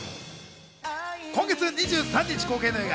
今月２３日公開の映画